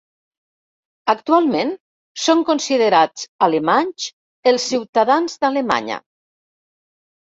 Actualment són considerats alemanys els ciutadans d'Alemanya.